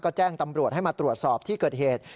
ก็แจ้งตำรวจให้มาตรวจสอบที่เกิดเหตุ